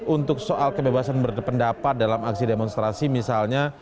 untuk soal kebebasan berpendapat dalam aksi demonstrasi misalnya